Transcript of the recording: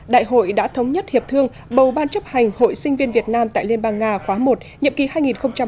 đại hội đã thống nhất hiệp thương bầu ban chấp hành hội sinh viên việt nam tại liên bang nga khóa một nhiệm kỳ hai nghìn hai mươi hai nghìn hai mươi năm